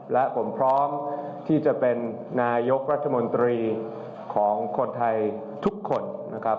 และผมพร้อมที่จะเป็นนายกรัฐมนตรีของคนไทยทุกคนนะครับ